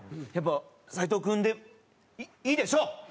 やっぱ斎藤君でいいでしょう！